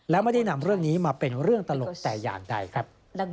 และไม่ได้นำเรื่องนี้มาเป็นเรื่องตลกแต่อย่างใดครับ